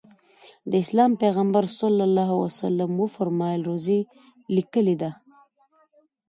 د اسلام پیغمبر ص وفرمایل روزي لیکلې ده.